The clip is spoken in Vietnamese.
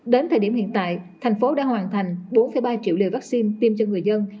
đến thời điểm hiện tại thành phố đã hoàn thành bốn ba triệu liều vaccine tiêm cho người dân